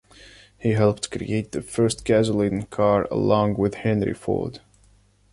He helped create the first gasoline car along with Henry Ford.